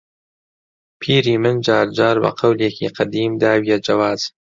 پیری من جار جار بە قەولێکی قەدیم داویە جەواز